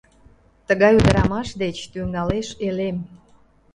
Тыгай ӱдырамаш деч тӱҥалеш элем...